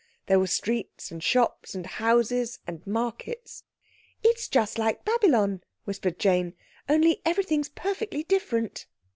There were streets and shops and houses and markets. "It's just like Babylon," whispered Jane, "only everything's perfectly different."